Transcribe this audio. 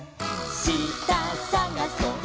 「したさがそっ！